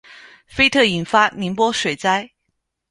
菲特引发宁波水灾。